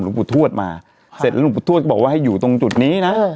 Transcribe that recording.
หนุ่มปุดทวดมาเสร็จแล้วหนุ่มปุดทวดก็บอกว่าให้อยู่ตรงจุดนี้น่ะ